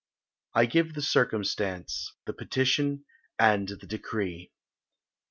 I give the circumstance, the petition, and the decree.